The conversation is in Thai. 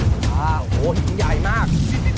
โอ้โหหินใหญ่มาก